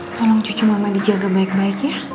tolong cucu mama dijaga baik baik ya